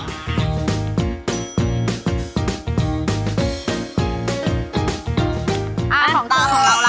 อ่ะของเจ้า